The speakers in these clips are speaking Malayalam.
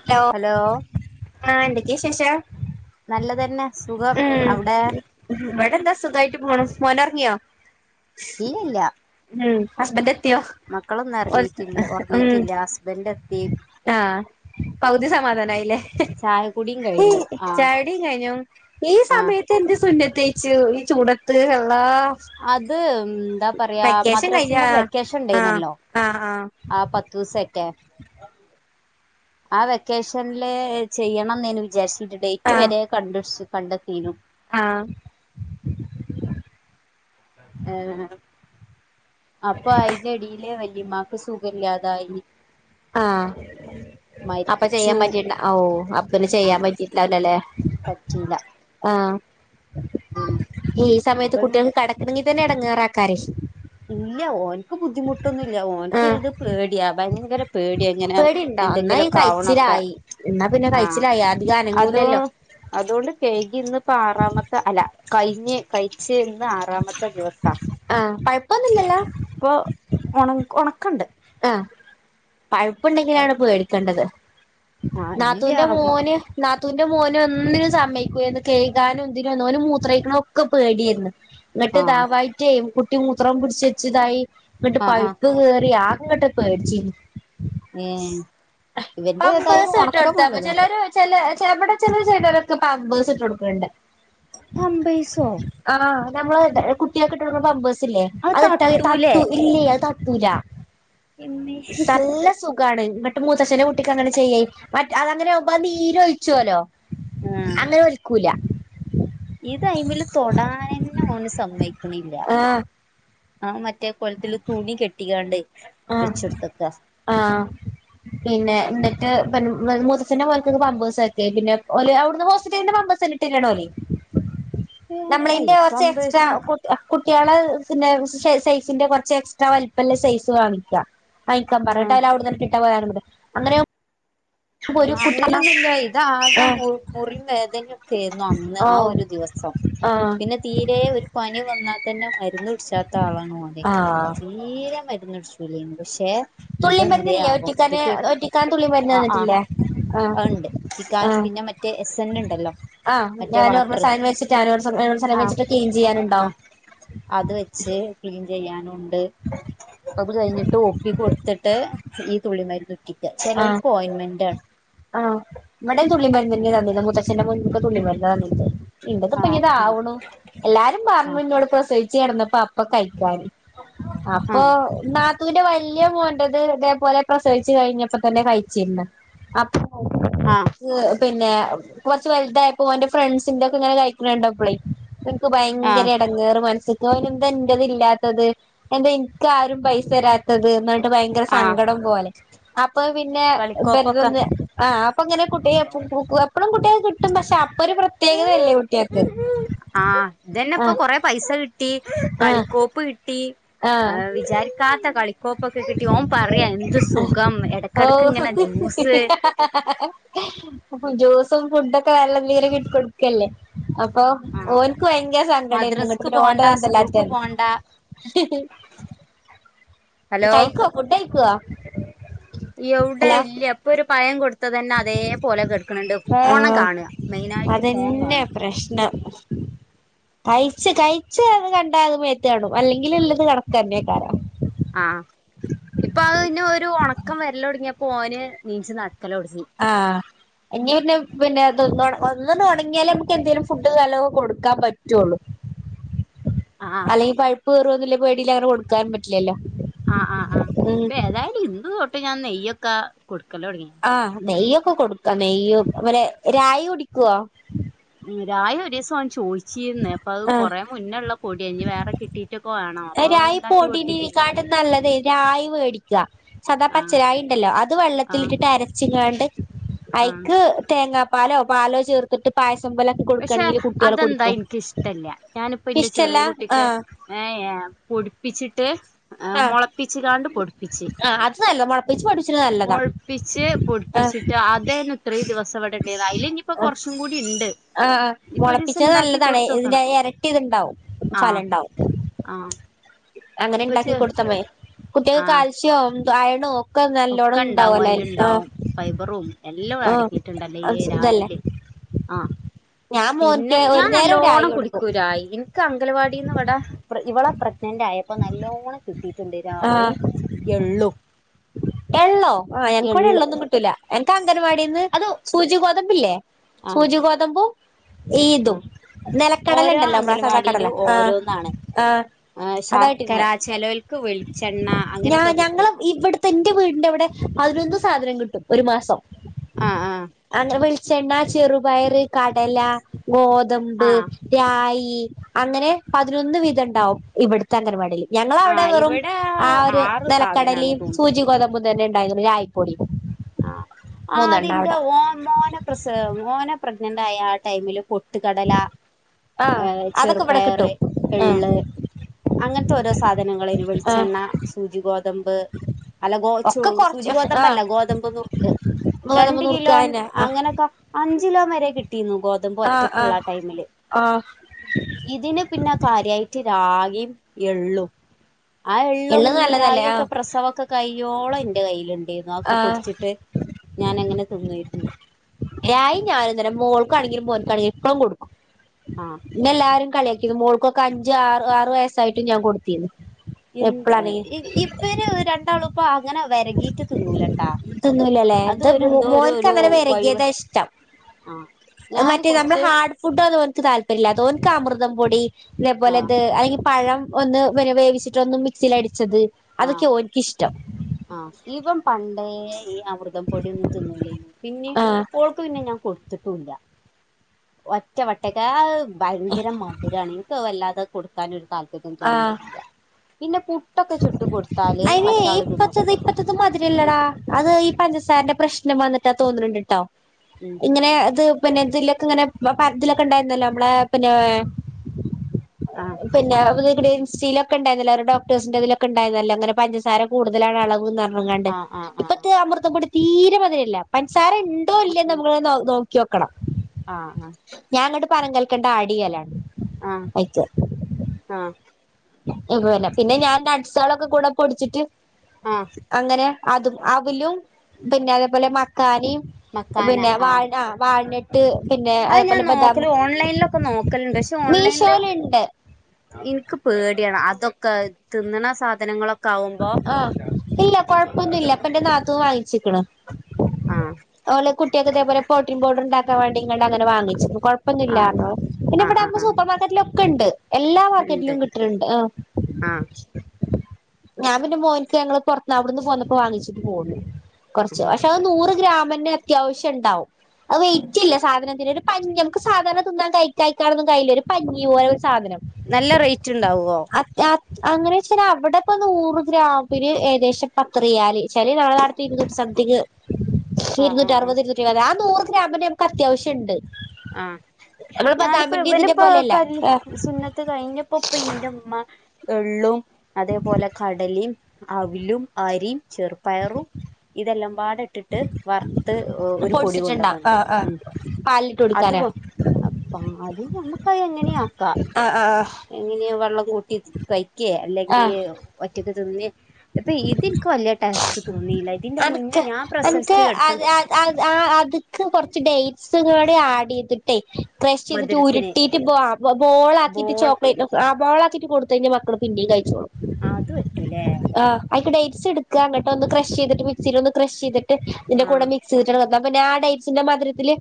ഹലോ ആഹ് എന്തൊക്കെ വിശേഷം നല്ലതെന്നെ സുഖം അവിടെ ഇവടെന്താ സുഖായിട്ട് പോണു മൊന് ഒറങ്യോ ഇല്ലല്ലാ ഉം ഹസ്ബൻഡ് എത്തിയോ മക്കളൊന്നും ഇറങ്ങിട്ടി ഒറങ്ങീട്ടില്ല ഹസ്ബന്റ് എത്തി ആഹ് പകുതി സമാധാനയില്ലേ ചായ കുടിയും കഴിഞ്ഞു ആഹ് ചായുടി കഴിഞ്ഞോ ഈ ആഹ് സമയത്ത് എന്തെ സുന്നത്തയിച്ചു ഈ ചൂടത്ത് അള്ളാഹ് അത് ഉം എന്താ പറയാ കഴിഞ്ഞ മദ്രാസിന്റെ വെക്കേഷൻ ആ ഇണ്ടായിന്നല്ലോ ആ പത്തൂസെറ്റേ ആ വെക്കേഷന്ല് ചെയ്യണന്നേനു വിചാരി ഡേറ്റ് വരെ കണ്ടുട് കണ്ടെത്തീനു ആഹ് ഏ അപ്പൊ അയിന്റെ എടേല് വല്ലിമ്മ സുഖല്ലാതായി ആഹ് അപ്പൊ മരിച്ചു ചെയ്യാൻ പറ്റില്ല ഓഹ് അപ്പ പിന്നെ ചെയ്യാൻ ആഹ് പറ്റീട്ട്ണ്ടാവൂലലേ പറ്റീല ആഹ് ഉം ഈ സമയത്ത് അപ്പൊ കുട്ട്യേള്ക്ക് കെടക്കണെങ്കി തന്നെ എടങ്ങേറാക്കാരെ ഇല്ല ഓനക്ക് ബുദ്ധിമുട്ടൊന്നും ഇല്ല ആ ഓനക്ക് ഇത് പേടിയാ ഭയങ്കരം പേടി ഇങ്ങനെ പേടിണ്ടോ എന്നാ എന്തെങ്കിലും ഈ ഒക്കെ ആവണൊക്കെ കഴിച്ചിലായി എന്നാ പിന്നെ ആഹ് കഴിച്ചിലായി അധികം അതെ അനങ്ങൂലല്ലോ അതുകൊണ്ട് കഴികി ഇന്നിപ്പോ ആറാമത്തെ അല്ല കഴിഞ്ഞ് കഴിച്ച് ആറാമത്തെ ദിവസ ആഹ് കുഴപ്പെന്നുമില്ലല്ലോ ഇപ്പൊ ഉണ ഉണക്കം ഇണ്ട് ആഹ് പഴുപ്പുണ്ടെങ്കിലാണ് പേടിക്കേണ്ടത് ആഹ് ഇല്ല നാത്തൂന്റെ ആഹ് മോന് നാത്തൂന്റെ മോന് ഒന്നിനും സമ്മയ്ക്കൂലോയു കൈയ്കാനും ഇതിന്നോന് ഓന് മൂത്രം ഒയ്ക്ക്ണ ഒക്കെ പേടായിയിരുന്നു ഇങ്ങിട്ട് ആഹ് ഇതാവായിറ്റേ കുട്ടി മൂത്രം പിടിച്ച് വെച്ചതായി ഇങ്ങിട്ട് ആഹ് പൈപ്പ് കേറി ആ ഇങ്ങോട്ട് പേടിച്ച് ഏഹ് ഇവന്റെ ഏതായാലും പാമ്പേഴ്സ് ഇട്ട് ഒണക്കം കൊടുത്തായിരുന്നു വന്ന്ക്ക്ണ് ചിലര് ചില ഇവിടെ ചില ചെയ്തോരെ പമ്പേഴസ് ഇട്ട് കൊടുക്ക്ണ്ട് പാമ്പേഴ്സോ ആഹ് നമ്മള് കുട്ടിആക്ക് ഇട്ട് കെട്ടുക്ക്ണ പമ്പേഴ്സ് ഇല്ലേ അത് ഇട്ടാ തട്ടു ഇല്ലയ് അത് തട്ടുലാ ഇമ്മേ നല്ല സുഖ സുഖമാണ് മൂത്തച്ഛന്റെ കുട്ടിക്ക് അങ്ങനെ ചെയ്യായി മറ്റ് അങ്ങനെ ആവുബോ നീര് ഒഴിച്ചുല്ലോ ആഹ് അങ്ങനെ ഒലിക്കൂല ഇത് അയിമല് തൊടൻ തന്നെ ഓന് സമ്മയിക്കണില്ല ആഹ് ആ മ മറ്റേ കൊലത്തില് തുണി കെട്ടിക്കാണ്ട് ആ വെച്ചെടുത്തക്ക ആഹ് പിന്നെ എനിട്ട് [unintelligible] മൂത്തച്ഛന്റെ മോന്ക്ക് പമ്പേ്സ് ഒക്കെ പിന്നെ ഓല് അവിടുന്ന് ഹോസ്പിറ്റലിൽ പമ്പേഴസ് ഇട്ട്തരാണ് ഓല് നമ്മളിന്റെ കുറച്ച് എക്സ്ട്രാ പമ്പേഴ്സ ആ കുട്ടി ആളുടെ പിന്നെ സൈസിന്റെ കുറച്ച് എക്സ്ട്രാ വലിപ്പല്ലെ സൈസ് വാങ്ങിക്ക [unintelligible] ഇട്ടാ ആ വേറെ ഇണ്ട് അങ്ങനെ ഒരു ആ കുട്ടി അങ്ങനൊ ഒന്നുമല്ല ഇതാകെ ആഹ് മുറി വേദനൊക്കെ ആരുന്നു അന്ന് ഓ ആ ഒരു ദിവസം ആഹ് പിന്നെ തീരെ ഒരു പനി വന്നാൽ തന്നെ മരുന്ന് കുടിച്ചാത്ത ആളാണ് ഓന് ആഹ് തീരെ മരുന്ന് കുടിച്ചൂലെയ്നി പക്ഷേ തുള്ളി ഇതെന്തേ മരുന്നില്ലേ ആവം ഇത് ഒറ്റിക്കാന് പെ ഒറ്റിക്കാൻ തുള്ളി മരുന്ന് ആഹ് ആഹ് തന്നിട്ടില്ലേ ആഹ് ഉണ്ട് ഉറ്റിക്കാനും പിന്നെ മറ്റേ എസ് എൻ ഉണ്ടല്ലോ ആ [unintelligible] മറ്റേ വാട്ടർ ആ ക്ലീൻ ആ ചെയ്യാനുണ്ടാവും അത് വെച്ച് ക്ലീൻ ചെയ്യാനുണ്ട് അത് കഴിഞ്ഞിട്ട് ഒപ്പി കൊടുത്തിട്ട് ഈ തുള്ളി മരുന്ന് ഉറ്റിയ്ക്ക് ആഹ് ചിലർക്ക് ഓയിൽമെന്റാണ് ആഹ് ഇവിടെ തുള്ളി മരുന്ന് തന്നെയാണ് തന്നിരുന്നത് മുത്തച്ഛന്റെ മോനിക്ക് തുള്ളി മരുന്നാ തന്നിരുന്നത് ഇവിടെ ഇപ്പോൾ ആഹ് ആവുണു എല്ലാരും ആഹ് പറഞ്ഞ ഇന്നോട് പ്രസവിച്ചു കിടന്നപ്പോ അപ്പെ കഴിക്കാന് അപ്പൊ ആഹ് നാത്തൂൻ്റെ വല്ല്യ മോൻ്റത് ഇതേപോലെ പ്രസവിച്ച് കഴിഞ്ഞ പ്പൊ തന്നെ കയ്ച്ച്. അപ്പ ആഹ് [unintelligible] പിന്നെ കൊറച്ച് വലുതായപ്പോ ഓന്റെ ഫ്രണ്ട്സിന്റെ ഒക്കെ ഇങ്ങനെ കഴിക്ക്ണെ കണ്ടപളെയ് ക്ക് ഭയങ്കര ആഹ് എട ങ്ങേറെ മനസ്സക്ക് ഒന്ന് എന്താ എന്റെത് ഇല്ലാത്തത് എന്താ എനിക്കാരും പൈസ തരാത്തത് എന്ന ഭയങ്കര ആഹ് സങ്കടം പോലെ അപ്പൊ പിന്നെ കളിക്കോപ്പൊക്കെ ഇവരതൊന്നും ആഹ് അപ്പൊ അങ്ങനെ കുട്ടിയെ കു കു എപ്പഴും കുട്ടിക കിട്ടും പക്ഷെ അപ്പൊ ഒരു പ്ര പ്രത്യേകതയല്ലേ കുട്ടിആക്ക് ആഹ് ഇതന്നെ ഇപ്പൊ ആഹ് കൊറെ പൈസ കിട്ടി കളിക്കോപ്പ് കിട്ടി ആ അ വിചാരിക്കാത്ത കളി കോപ്പൊക്കെ കിട്ടി ഓൻ പറയാ എന്ത് സുഖാന്ന് ഇടക്കിടക്ക് ഇങ്ങനെ ജ്യൂസ് ജൂസും ഫുഡൊക്കെ വല്ല വീ കൊടു ഒക്കല്ലേ അപ്പൊ ആഹ് ഓനക്ക് ഭയങ്കര സങ്കടാരുന്നു മദ്രസ്ക്ക് ഇങ്ങോട്ട്ന്നെ പോണ്ട ഓന്റെത് സ്കൂൾക്ക് എന്തല്ലാത്തരുന്നു പോണ്ട ഹലോ കഴിക്കുവാ ഫുഡ് കഴിക്കുവാ യോവിടെ ല്ല ഇപ്പൊ ഒരു പയം കൊടുത്ത് ത്ത തന്നെ അതേപോലെ കെടുക്കണണ്ട് ഫോൺ ആഹ് കാണുക മെയിന് ആയിട്ട് ഫോൺ അതന്നെ കാണുക പ്രശ്നം കയിച്ച് കയിച് അത് കണ്ടാത് മേത്ത് കാണും അല്ലെങ്കിൽ ഉള്ളത് കണക്ക് ന്നെ ക്കാരാ ആഹ് ഇപ്പൊ അത് ഇന്ന ഒരു ഉണക്കം വെരല് ഒടിങ്ങിയപോ ഓന് ണീച്ച് നടക്കലുടങ്ങി ആഹ് ഇനി പിന്നെ പിന്നെ അതന്ന് ഒന്ന് തുടങ്ങിയാലേ നമുക്ക് എന്തേലും ഫുഡ് വല്ലക്കെ കൊടുക്കാൻ പറ്റുവുള്ളൂ. ആഹ് അല്ലെങ്കി പഴുപ്പ് കേറുന്നുല്ല പേടിൽ അങ്ങനെ കൊടുക്കാനും പറ്റില്ലല്ലോ ആഹ് ആഹ് ആഹ് ഉം അപ്പൊ ഏതായാലും ഇന്ന് തൊട്ട് ഞാൻ നെയ്യൊക്കെ കൊടുക്കല് തുടങ്ങി ആഹ് നെയ്യൊക്കെ കൊടുക്കാ നെയ്യും അതു പോലെ രായി കുടിക്കുവോ രായി ഒരു ദിവസം അവൻ ചോദിച്ചിരുന്നേ അപ്പൊ അത് ആഹ് കൊറെ മുന്നേള്ള പൊടിയാ ഞ്ഞി വേറെ കിട്ടിയിട്ടൊക്കെ വേണോ രായി പൊടീണ്ടിരിക്കാണ്ട് നല്ലതേ രായി വേടിക്കുക സദാ ആഹ് പച്ചറായി ഉണ്ടല്ലോ അത് ആഹ് വെള്ളത്തിലിട്ടിട്ട് അരച്ചിങ്ങാണ്ട് ആഹ് അയിക്ക് തേങ്ങാപ്പാലോ പാലോ ചേർത്തിട്ട് പായസം പോലെ പക്ഷെ അതെന്താ എനിക്കിഷ്ടല്ല ഞാനിപ്പ എന്റെ ഇഷ്ടല്ല ചെറിയ കുട്ടിക്ക് ആഹ് ഏഹ് ഏഹ് പൊടിപ്പിച്ചിട്ട് ങ് ആഹ് മുളപ്പിച്ച കാണ്ട് പൊടിപ്പിച്ച് ആഹ് അത് നല്ലതാ മുളപ്പിച്ച് പൊടിച്ചത് നല്ലതാ മുളപ്പിച്ച് ആഹ് പൊടിപ്പിച്ചിട്ട് അതേനു ഇത്രയും ദിവസം വിടണ്ടായിരു അതിലിനിയിപ്പ കുറച്ചും കൂടി ഉണ്ട് ആഹ് ഇനിയിപ്പോ ഒരു ദിവസം മുളപ്പിച്ചത് ഉണ്ടാക്കി നല്ലതാണ് കൊടുത്ത് ഇതിന്റെ നോക്കണം ഇരട്ടി ഇത്ണ്ടാവും ആഹ് ഫലണ്ടാവും ആഹ് അങ്ങനെ ഇപ്പൊ ഉണ്ടാക്കി ചെ കൊടുത്ത മ്മേ കുട്ടികക്ക് ആഹ് കാൽസ്യം ആവും അയണോ ഒക്കെ ഉണ്ടാവും അയലുണ്ടാവും ഫൈബറും എല്ലാം അടക്കിയിട്ടുണ്ടല്ലേ ആഹ് ഏ ഇതല്ലേ രായില് ആഹ് ഞാൻ പിന്നെ മോൻക്ക് ഒരു ഞാൻ നേരം രായി നല്ലോണം കൊടുക്കും കുടിക്കൂരായിൻ നിക്ക് അംഗങ്കലവാടിന്ന് ഇവിടെ പ്ര ഇവളെ പ്രഗ്നന്റ് ആയപ്പോ നല്ലോണം കിട്ടിയിട്ടുണ്ട് രായി ആഹ് എള്ളു എള്ളോ ആഹ് എനിക്ക് വിടെ എള്ള് എള്ളൊന്നും കിട്ടൂല എനിക്ക് അംഗൻവാടിന്ന് അത് സൂചി ഗോതമ്പില്ലെ ആഹ് സൂചി ഗോതമ്പു ഇ ഈതും ആഹ് നിലക്കടല ഓരോ ഉണ്ടല്ലോ പ്ര സദാ കടല ആഹ് ആഹ് ആഹ് ശർക്കര അതായിട്ടിരുന്നേ ചെലവൽക്ക് വെളിച്ചെണ്ണ അങ്ങനൊക്കെ കിട്ടും ത് എന്റെ വീടിന്റെവിടെ പതിനൊന്ന് സാധനം കിട്ടും ഒരു മാസം ആഹ് ആഹ് അങ്ങനെ വെളിച്ചെണ്ണ, ചെറുപയറ്, കടല, ഗോതമ്പ് ആഹ് രായി അങ്ങനെ പതിനൊന്ന് വിധം ഉണ്ടാവും ഇവിടു അങ്കൻവാടിൽ ഞങ്ങള് അവിടെ ആഹ് വെറും ഇവിടെ ആ ഒരു ആറ് സാധനാണ് നിലക്കടലേം തോന്നുന്നു സൂചി ഗോത മ്പും തന്നെ ഉണ്ടായി റായിപ്പൊടിയും ആ ആദിന്റെ ഓൻ മോനൊ പ്രസവം മോനെ പ്രഗ്നന്റ് ആയ ആ ടൈമില് പൊട്ടുകടല ആഹ് ഏഹ് അതൊക്കെ ഇവിടെ കിട്ടും ചെറുപ്പയറ് ആഹ് എള്ള് അങ്ങൻത്തെ ഓരോ സാധനങ്ങളെനു ആഹ് വെളിച്ചെണ്ണ സൂചി ഗോതമ്പ് അല്ല ഗോ ചൂ ഒക്കെ സൂചി കൊറച്ച് ആഹ് ഗോതമ്പല്ല ഗോതമ്പ് മ്പ് നുർക്ക് ഗോതമ്പ് രണ്ട് നുറുക്ക് കിലോൻ അതെന്നെ ആഹ് അങ്ങനൊക്കെ അഞ്ചിലോ വരെ കിട്ടീന്നു ഗോ തമ്പ് ആഹ് ഒറ്റക്ക്ള്ള ആഹ് ആ ടൈമില് ആഹ് ഇതിന് പിന്നെ കാര്യായിട്ട് രാഗിം എള്ളും ആ എള്ളും എള്ളത് നല്ലതല്ലേ രായി ഒക്കെ ആഹ് പ്രസവൊക്കെ കയ്യോളം ഇന്റെ കയ്യില്ണ്ടേര്ന്നു. അതൊക്കെ പൊട് ആഹ് ച്ചിട്ട് ഞാൻ അങ്ങനെ തിന്നേര്ന്നു രായിം ഞാനും തന്നെ മോൾക്കാണെങ്കിലും മോൻക്കാണെങ്കിലും എപ്പളും കൊട്ക്കും. ആഹ് ന്നെ എല്ലാരും കളിയാക്കീന്നു മോൾക്കൊക്കെ അഞ്ച് ആറ് ആറു വയസ്സായിട്ടും ഞാൻ കൊടുത്തീന്നു എന്ത് ഇ ഇവര് രണ്ടാളും പ്പൊ അങ്ങനെ വെരകീട്ട് തിന്നൂലട്ടാ തിന്നൂലല്ലേ അത് ഇത് ഒരു എന്തോ ഒരു മോൻക്ക് ഒരു അങ്ങനെ വഴിവ് വെരകിയതാ ഇഷ്ടം ആ അത് ഞാന് മറ്റേ നമ്മളെ കൊറച്ച് ഹാഡ് ഫുഡൊന്നും ഓൻക്ക് താല്പര്യല്ല. ഓൻക്ക് അമൃതം പൊടി ആ തേപോലെത് അല്ലെങ്കി പഴം ഒന്ന് വന് വേവിച്ചിട്ട് ഒന്ന് മിക്സിലടിച്ചത് ആ അതൊക്ക്യാ ഓൻ ക്കിഷ്ടം ആ ഇവൻ പണ്ടേ ഈ അമൃതം പൊടിയൊന്നും തിന്നൂല്ലേന്നു പിന്നെ ആഹ് ഓൾക്ക് പിന്നെ ഞാൻ കൊടുത്ത്ട്ടും ല്ലാ ഒറ്റ വട്ടക്കേ അത് ഭയങ്കര മധുരാണ് ഇൻക്ക് അത് വല്ലാതെ കൊട് ക്കാനൊരു താല്പര്യം ആഹ് തോന്നീട്ടില്ല. പിന്നെ പുട്ടൊക്കെ ചുട്ട് കൊട്ത്താല് മറ്റാള് തിന്നും ത്രക്ക് മതിരില്ലടാ അത് ഈ പഞ്ചസാര്ന്റെ പ്രശ്നം വന്നിട്ടാ തോന്ന്ണ് ണ്ട്ട്ടോ ഉം ഇങ്ങനെ ഇത് പിന്നെ ഇതിലൊക്കെ ഇങ്ങനെ പരത്തിലൊക്കെ ണ്ടായിരുന്നല്ലോ മ്മളെ പിന്നെ ആഹ് പിന്നെ ഇൻസ്റ്റിലൊക്കെണ്ടേര്ന്ന്ല്ലേ ഒരു ഡോക്ടേഴ്സ്ന്റെ ഇതിലൊക്കെ ണ്ടാഴ്ന്നല്ലോ ങ്ങനെ പഞ്ചാസാര കൂടുതലാണ് അളവ് ന്ന് അർഞ്ഞ് ഞ്ഞ്ങ്ങാണ്ട് ആഹ് ആഹ് ഇപ്പത്തെ അമൃതം പൊടി തീരെ മതിരല്ല പൻസാര ണ്ടോ ഇല്ലേന്ന് നമ്മള് നോ നോക്കിയോക്കണം ആഹ് ആഹ് ആഹ് ഞാങ്ങട്ട് പനം കൽക്കണ്ടം ആഡെയ്യലാ ആഹ് അയ്ക്ക് ആഹ് ഇപ്പൊക്കെ വര്നെ പിന്നെ ഞാന് നട്സളൊക്കെ കൂടെ പൊട്ച്ചിട്ട് ആഹ് അങ്ങനെ അതും അവിലും പിന്നെ അതേപോലെ മക്കാനിം പിന്നെ വാൾനാ ആഹ് വാൾനട്ട് പിന്നെ അത് ഞാൻ അതേപോലെ ബദാമ് നോക്കല് ഓൺലൈനിലൊക്കെ നോക്കലുണ്ട് മീഷോല്ണ്ട് ഇൻക്ക് പേട്യാണ് അതൊക്കെ തിന്ന്ണ സാധനങ്ങളൊ ആഹ് ഇല്ല കൊഴപ്പൊന്നുല്ല ഇപ്പന്റെ നാത്തൂൻ വാങ്ങിച്ചിക്ക്ണ് ആഹ് ഓലെ കുട്ട്യേക്ക് ഇതേപോലെ പ്രോട്ടീൻ പൗഡറ്ണ്ടാക്കാം വാണ്ടി ങ്ങണ്ട് അങ്ങെനെ വാങ്ങിച്ച് കൊഴ ആഹ് പ്പൊന്നൂല്ലാർഞ്ഞു ഓള് പിന്നെ ആഹ് വടെ ആഹ് ആഹ് സൂപ്പർ മാർക്കറ്റിലൊക്കെ ണ്ട് എല്ലാ ഉണ്ട് മാർക്കറ്റിലും കിട്ട്ണ്ട് ആഹ് ഞാ പിന്നെ മോൻക്ക് ഞങ്ങള് പൊർത്ത് അവ്ട്ന്ന് പോന്നപ്പോ വാങ്ങിച്ചിട്ട് പോന്നു കൊറച്ച് പക്ഷെ അത് നൂറ് ഗ്രാമെന്നെ അത്യാവശ്യം ണ്ടാവും അത് വെയിറ്റില്ല സാധനത്തിന് ഒരു പഞ്ഞി മ്മക്ക് സാധാരണ തിന്നാൻ കയ് കയ്ക്കാനൊന്നും കയ്യില്ല ഒരു പഞ്ഞി പോലെ ഒര് സാധനം നല്ല റൈറ്റ് ണ്ടാവോ അത്യാ അങ്ങനോയ്ച്ചാല് അവടെ ഇപ്പൊ നൂറ് ഗ്രാമിന് ഏകദേശം പത്ത് റിയാല് ച്ചാല് നമ്മളെ നാട്ട്ത്തെ ഇരുന്നൂറ്റി സംതിങ് ആഹ് ഇര്ന്നൂറ്റി ആഹ് ആഹ് അർവത് ഇരുന്നൂറ്റി എയ്പത് ആ നൂറ് ഗ്രാമന്നെ മ്മക്ക് അത്യാവശ്യംണ്ട് ആഹ് ഞാന്പ്പൊ ഇവന്പ്പൊ പോലെയല്ല കല് സുന്നത്ത് കഴിഞ്ഞപ്പൊ ഇപ്പ ഇന്റെ മ്മ എള്ളും അതേപോലെ കടലിം, അവിലും അരിം, ചെർപയറും ഇതെല്ലാം പാടെ ഇട്ടിട്ട് വറുത്ത് ഒരു പൊടി പൊടിച്ചിട്ടുണ്ടാ ആ കൊണ്ടുവന്നതാ ഉം [unintelligible] അത് കൊ അപ്പം അത് നമ്മക്ക് അത് എങ്ങനേം ആക്കാം ആഹ് ആഹ് ഇങ്ങനെ വെള്ളം കൂട്ടി കഴിക്കേ ആ ആ അല്ലെങ്കി ഒറ്റ റ്റക്ക് തിന്നേ അപ്പൊ ഇതെനിക്ക് വല്യ ടേ സ്റ്റ് തോന്നിയില്ല ഇതിന്റെ മുന്നേ അനക്ക് ഞാൻ എനിക്ക് പ്രസവിച്ച് കിടക്കണ അത് ഞാൻ അത് ആഹ് അത്ക്ക് കൊറച്ച് ഡേറ്റ്സ് കൂടെ ആഡ് ചെയ്തി ട്ടേ ക്രഷ് ചെയ്തിട്ട് മധുരത്തിന് ഉരുട്ടീട്ട് ബോ ബോ ബോള് ആക്കീട്ട് ബോൾ ചോക്ലേറ്റ് ആഹ് ബോള് ആക്കീട്ട് കൊടുത്ത് കഴിഞ്ഞാ മക്കള് പിന്നേം കഴിച്ചോളും അത് പറ്റും ല്ലേ അത്ക്ക് ഡേറ്റ്സ് എടുക്കുക അങ്ങട്ട് ഒന്ന് ക്രഷ് ചെയ്തിട്ട് മിക്സിൽ ഒന്ന് ക്രഷ് ചെയ്തിട്ട് ഇതിന്റെ ആഹ് കൂടെ മിക്സ് ചെയ്തിട്ട് വ എന്നാ പിന്നെ ആ ഡേറ്റ്സിന്റെ മധുരത്തില്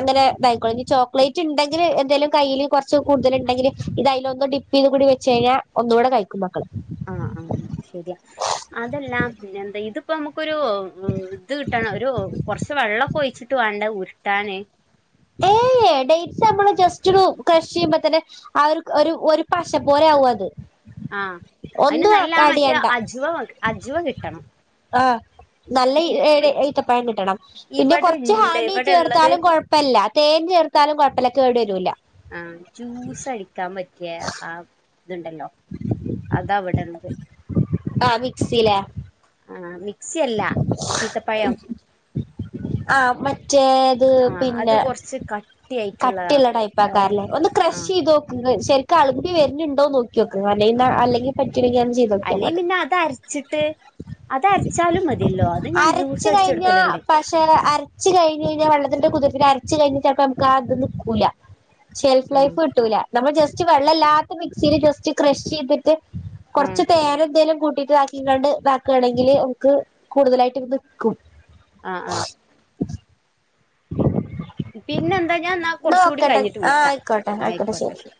അങ്ങനെ ഇതായിക്കോളും ഇനി ചോക്ലേറ്റ് ഇണ്ടെങ്കില് എന്തേലും കയ്യില് കൊറ ച്ച് കൂടുതല് ഇണ്ടെങ്കില് ഇത് അയിലൊന്ന് ഡിപ്പ് ചെയ്ത് കൂടി വെച്ച് കഴിഞ്ഞാ ഒന്നുകൂടെ കഴിക്കും മക്കൾ ആഹ് ആഹ് ശെരിയാ അതെല്ലാ പിന്നെന്താ ഇതിപ്പോ നമുക്കൊരു ഇത് കിട്ടണം ഒരു കൊറച്ച് വെള്ളം ഒകെ ഒഴിച്ചിട്ട് വേണ്ടേ ഉരുട്ടാന് ഏഹ് ഡേറ്റ്സ് നമ്മള് ജസ്റ്റ് ഒരു ക്രഷ് ചെയ്യുമ്പോ തന്നെ ആ ഒരു ഒരു ഒരു പശ പോലെ ആവും അത് ആഹ് അതിന് ഒന്നും നല്ല ആഡ് മറ്റേ ചെയ്യണ്ട അജുവ കി അജുവ കിട്ടണം ആഹ് നല്ല ഇ ഈ ഏഴു ഈത്തപ്പഴം കിട്ടണം പിന്നെ ഇവിടെ കൊറച്ച് ഇണ്ട് ഹണി ഇവിടെ ഇള്ളത് ചേർത്താലും കൊഴ ല്ല തേൻ ചേർത്താലും കൊഴപ്പല്ല കേട് വരൂല ആഹ് ജ്യൂസ് അടിക്കാൻ പറ്റിയ അ ത്ണ്ടല്ലോ അതവിടെ ള്ളത് ആഹ് മിക്സീലാ ആഹ് മിക്സി അല്ല ഈത്തപ്പഴം [unintelligible] ആഹ് മറ്റേത് ആഹ് അത് പിന്നെ കൊറച്ച് കട്ടിയുള്ള കട്ടിയായിട്ടുള്ളതാണ് ടൈപ്പ് ആഹ് ആയ്ക്കാരം ലേ ഒന്ന് ക്രഷ് ആഹ് ചെയ്തോ ക്കീന് ശരിക്കും അളുമ്പി വര്ണ് ണ്ടോ നോ ക്കിയൊക്ക് അല്ലെങ്കി നാ ആഹ് ആഹ് അല്ലെങ്കി പറ്റൂങ്കി ഒന്ന് ചെയ്ത് നോക്കിയാ അല്ലെ മതി പിന്നെ അത് അരച്ചിട്ട് [unintelligible] മതിയല്ലോ അത് ഞാൻ ജൂസ് അടിച്ചു കൊട്ക്കല്ണ്ട് ക്ഷെ അരച്ച് കഴിഞ്ഞ് കഴിഞ്ഞാ വെള്ളത്തിന്റെ കുതിർപ്പില് അരച്ച് കഴിഞ്ഞ ചെലപ്പോ നമുക്ക് അത് നിക്കൂല ചെലപ്പോ ഉം അത് കിട്ടൂല നമ്മള് ജസ്റ്റ് വെള്ളം ഇല്ലാത്ത മിക്സീല് ജസ്റ്റ് ക്രഷ് ചെയ്തിട്ട് ഉം കൊറച്ച് തേന് എന്തേലും കൂട്ടീട്ട് വാക്കിങ്ങാണ്ട് വയ്ക്കുയാണെങ്കില് നമുക്ക് കൂടുതലായിട്ടും നിക്കും ആഹ് ആഹ് പിന്നെ എന്താ ഞാൻ എന്നാ കൊറച്ചു കൂടി ഓക്കെട്ടെ കഴിഞ്ഞിട്ട് ആഹ് വിളിക്കാം ആയിക്കോട്ടെ ആയിക്കോട്ടെ ശരി ശെരി